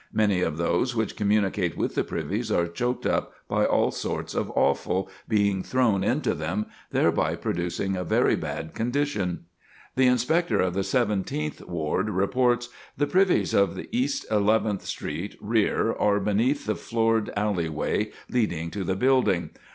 Many of those which communicate with the privies are choked up by all sorts of offal being thrown into them, thereby producing a very bad condition." [Sidenote: Unbelievable Vileness] The Inspector of the Seventeenth Ward reports: "The privies of East Eleventh Street, rear, are beneath the floored alley way leading to the building.